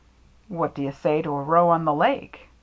" What do you say to a row on the Lake